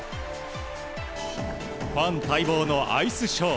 ファン待望のアイスショー。